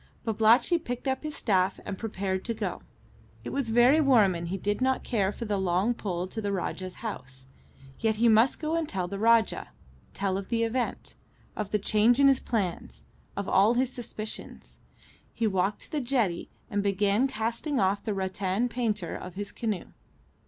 Babalatchi picked up his staff and prepared to go. It was very warm, and he did not care for the long pull to the Rajah's house. Yet he must go and tell the Rajah tell of the event; of the change in his plans; of all his suspicions. He walked to the jetty and began casting off the rattan painter of his canoe.